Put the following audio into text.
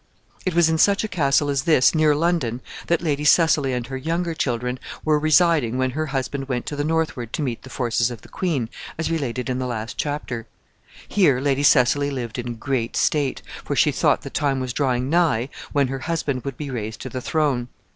It was in such a castle as this, near London, that Lady Cecily and her younger children were residing when her husband went to the northward to meet the forces of the queen, as related in the last chapter. Here Lady Cecily lived in great state, for she thought the time was drawing nigh when her husband would be raised to the throne.